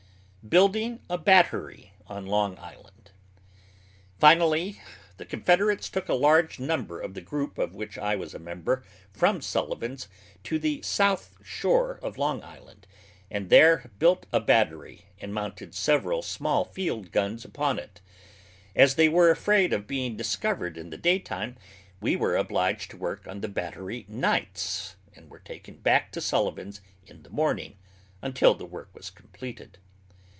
BUILDING A BATTERY ON LONG ISLAND. Finally the Confederates took a large number of the group of which I was a member from Sullivan's to the south shore of Long Island and there built a battery, and mounted several small field guns upon it. As they were afraid of being discovered in the daytime we were obliged to work on the battery nights and were taken back to Sullivan's in the morning, until the work was completed.